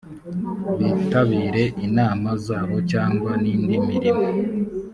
bitabire inama zabo cyangwa n indi mirimo